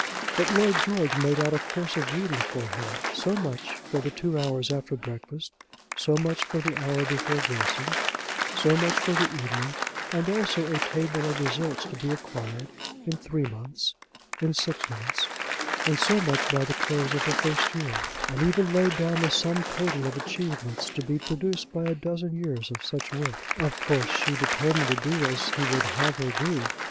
But Lord George made out a course of reading for her, so much for the two hours after breakfast, so much for the hour before dressing, so much for the evening; and also a table of results to be acquired in three months, in six months, and so much by the close of the first year; and even laid down the sum total of achievements to be produced by a dozen years of such work! Of course she determined to do as he would have her do.